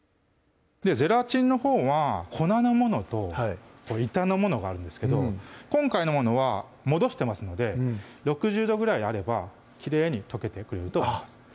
ゼラチンのほうは粉のものと板のものがあるんですけど今回のものは戻してますので６０度ぐらいあればきれいに溶けてくれると思います